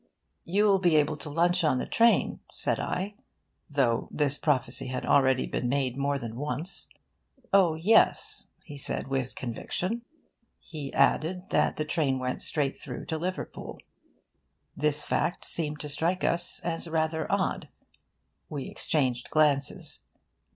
'You'll be able to lunch on the train,' said I, though this prophecy had already been made more than once. 'Oh yes,' he said with conviction. He added that the train went straight through to Liverpool. This fact seemed to strike us as rather odd. We exchanged glances.